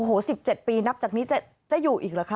โอ้โห๑๗ปีนับจากนี้จะอยู่อีกเหรอคะ